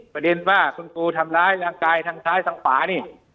ประเด็นว่าคุณครูทำร้ายร่างกายทางซ้ายทางขวานี่